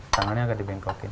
tangannya agak dibengkokin